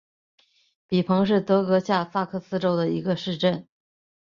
比彭是德国下萨克森州的一个市镇。